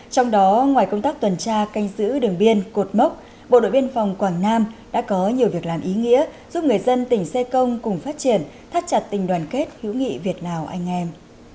trong đó ngoài công tác tuần tra canh giữ đường biên cột mốc bộ đội biên phòng quảng nam đã có nhiều việc làm ý nghĩa giúp người dân tỉnh xê công cùng phát triển thắt chặt tình đoàn kết hữu nghị việt lào anh em